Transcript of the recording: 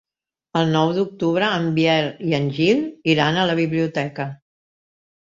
El nou d'octubre en Biel i en Gil iran a la biblioteca.